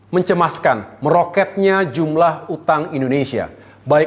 mencemaskan meroketnya jumlah utang indonesia baik